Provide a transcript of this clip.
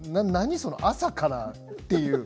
その朝からっていう。